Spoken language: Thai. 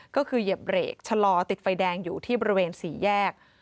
ก็คือเหยียบเบรกชะลอติดไฟแดงอยู่ที่บริเวณสี่แยก